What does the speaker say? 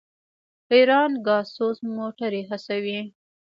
ایران ګازسوز موټرې هڅوي.